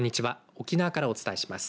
沖縄からお伝えします。